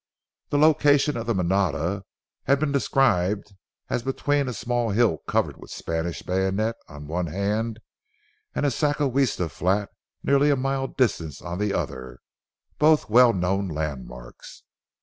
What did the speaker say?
The location of the manada, had been described as between a small hill covered with Spanish bayonet on one hand, and a zacahuiste flat nearly a mile distant on the other, both well known landmarks.